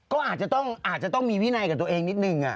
ก็อาจจะต้องมีวินัยกับตัวเองนิดนึง